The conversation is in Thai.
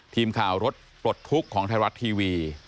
ทีมข่าวรถปลดทุกข์ของไทยรัฐทีวี